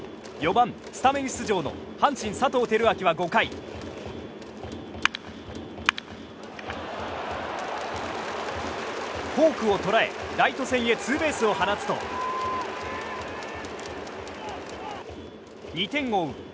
４番スタメン出場の阪神、佐藤輝明は５回フォークをとらえ、ライト線にツーベースを放つと２点を追う